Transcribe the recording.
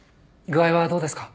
具合はどうですか？